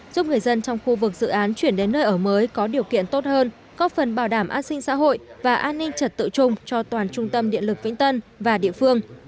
giúp người dân trong khu vực dự án chuyển đến nơi ở mới có điều kiện tốt hơn góp phần bảo đảm an sinh xã hội và an ninh trật tự trung cho toàn trung tâm điện lực vĩnh tân và địa phương